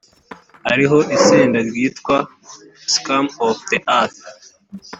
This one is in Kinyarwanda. hariho itsinda ryitwa scum of the earth